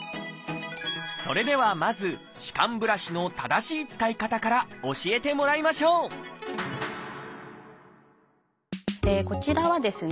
それではまず歯間ブラシの正しい使い方から教えてもらいましょうこちらはですね